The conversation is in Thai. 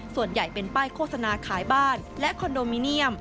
ส่วนใหญ่เป็นป้ายโฆษณาขายบ้านและคอนโดมิเนียม